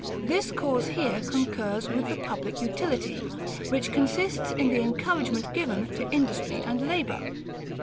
This cause here concurs with the public utility, which consists in the encouragement given to industry and labour.